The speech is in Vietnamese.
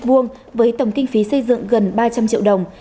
với tổng kinh phí xây dựng gần ba trăm linh triệu đồng